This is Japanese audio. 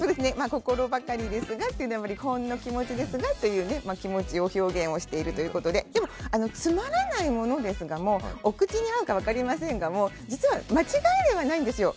心ばかりですがというのはほんの気持ちですがという気持ちを表現しているということででもつまらないものですがもお口に合うか分かりませんがも間違いではないんですよ。